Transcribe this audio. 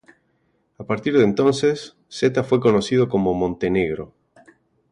A partir de entonces, Zeta fue conocido como Montenegro.